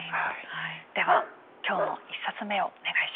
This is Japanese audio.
では今日の１冊目をお願いします。